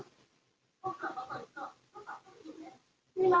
เล่นทรัพย์จะหักจากจะได้ใช่